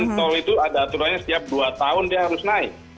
tol itu ada aturannya setiap dua tahun dia harus naik